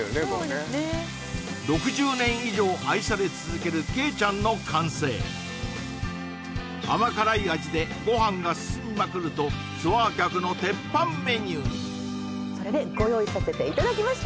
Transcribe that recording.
そうですね６０年以上愛され続ける鶏ちゃんの完成甘辛い味でご飯が進みまくるとツアー客の鉄板メニューにそれでご用意させていただきまし